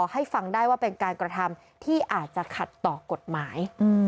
ให้ฟังได้ว่าเป็นการกระทำที่อาจจะขัดต่อกฎหมาย